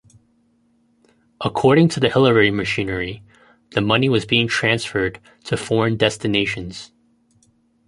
According to the Hillary Machinery, the money was being transferred to foreign destinations.